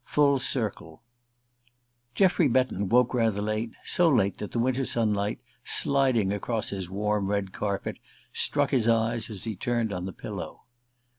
FULL CIRCLE I GEOFFREY BETTON woke rather late so late that the winter sunlight sliding across his warm red carpet struck his eyes as he turned on the pillow.